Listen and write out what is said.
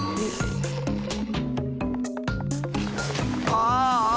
ああ。